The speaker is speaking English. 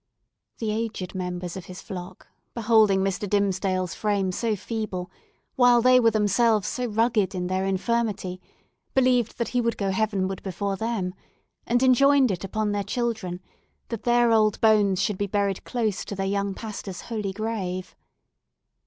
The aged members of his flock, beholding Mr. Dimmesdale's frame so feeble, while they were themselves so rugged in their infirmity, believed that he would go heavenward before them, and enjoined it upon their children that their old bones should be buried close to their young pastor's holy grave.